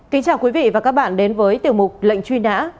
kính chào quý vị và các bạn đến với tiểu mục lệnh truy nã